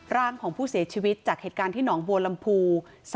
ร่างของผู้เสียชีวิตจากเหตุการณ์ที่หนองบัวลำพู